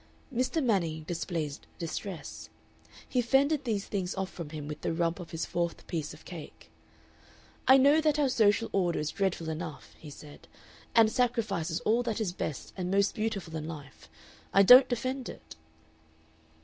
Mr. Manning displayed distress. He fended these things off from him with the rump of his fourth piece of cake. "I know that our social order is dreadful enough," he said, "and sacrifices all that is best and most beautiful in life. I don't defend it."